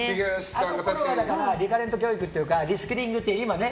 あのころはリカレント教育っていうかリスキリングってね